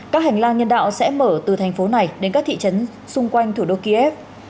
các hành lang nhân đạo sẽ mở từ thành phố này đến các thị trấn xung quanh thủ đô kiev